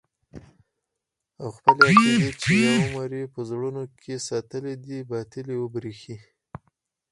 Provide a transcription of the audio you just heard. او خپلې عقيدې چې يو عمر يې په زړونو کښې ساتلې دي باطلې وبريښي.